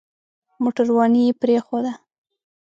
موټرواني يې پرېښوده.